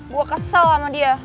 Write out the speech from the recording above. gue kesel sama dia